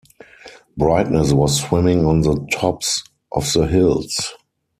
Brightness was swimming on the tops of the hills.